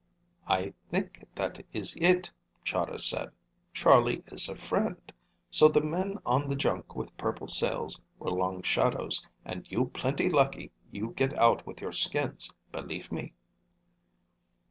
"I think that is it," Chahda said. "Charlie is a friend. So the men on the junk with purple sails were Long Shadow's, and you plenty lucky you get out with your skins, believe me."